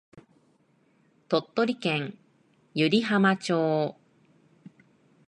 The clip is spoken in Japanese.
鳥取県湯梨浜町